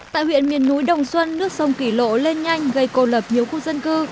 tại huyện miền núi đồng xuân nước sông kỷ lộ lên nhanh gây cô lập nhiều khu dân cư